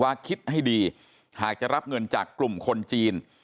คิดให้ดีหากจะรับเงินจากกลุ่มคนจีน